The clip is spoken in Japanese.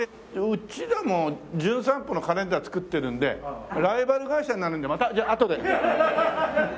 うちらも『じゅん散歩』のカレンダー作ってるんでライバル会社になるんでまたじゃああとで。